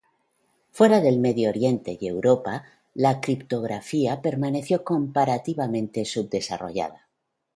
Fuera del Medio Oriente y Europa, la criptografía permaneció comparativamente subdesarrollada.